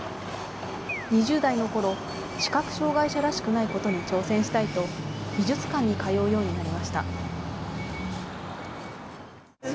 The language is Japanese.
２０代のころ、視覚障害者らしくないことに挑戦したいと、美術館に通うようになりました。